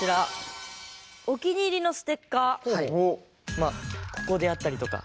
まあここであったりとか。